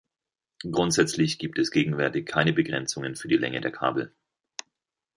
Grundsätzlich gibt es gegenwärtig keine Begrenzungen für die Länge der Kabel.